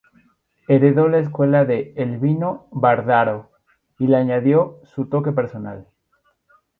Heredó la escuela de Elvino Vardaro y le añadió su toque personal.